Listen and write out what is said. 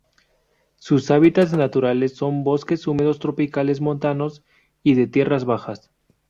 Sus hábitats naturales son bosques húmedos tropicales montanos y de tierras bajas.